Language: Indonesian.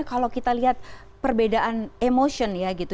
kalau kita lihat perbedaan emotion ya gitu